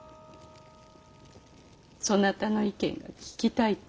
そなたの意見が聞きたいと。